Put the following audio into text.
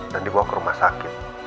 dan dibawa ke rumah sakit